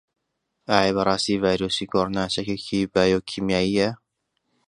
ئایا بەڕاستی ڤایرۆسی کۆرۆنا چەکێکی بایۆکیمیایییە؟